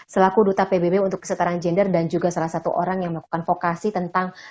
selaku duta pbb untuk kesetaraan gender dan juga salah satu orang yang melakukan vokasi tentang